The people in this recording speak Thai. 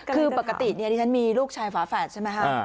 คือปกติที่ฉันมีลูกชายฝาฝันใช่ไหมครับ